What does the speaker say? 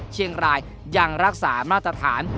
เชียงรายยังรักษามาตรฐาน